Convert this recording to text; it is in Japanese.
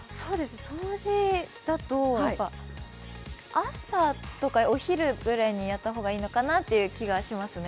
掃除だと、朝とかお昼ぐらいにやった方がいいのかなという気がしますね。